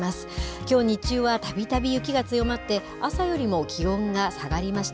きょう日中はたびたび雪が強まって、朝よりも気温が下がりました。